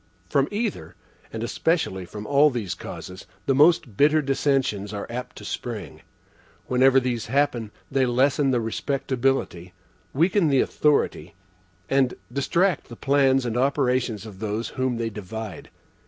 From either, and especially from all these causes, the most bitter dissensions are apt to spring. Whenever these happen, they lessen the respectability, weaken the authority, and distract the plans and operation of those whom they divide.